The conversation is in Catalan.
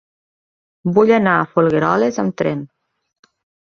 Vull anar a Folgueroles amb tren.